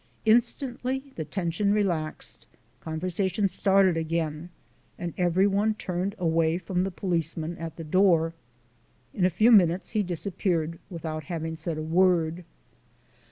Instantly the tension relaxed, conversation started again and every one turned away from the policeman at the door. In a few minutes, he disappeared without having said a word.